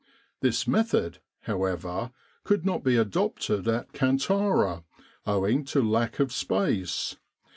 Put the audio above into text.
This method, however, could not be adopted at Kantara owing to lack of space.